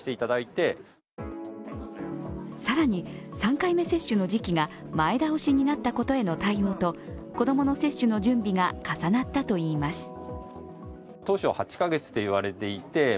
更に、３回目接種の時期が前倒しになったことへの対応と子供の接種の準備が重なったといいます。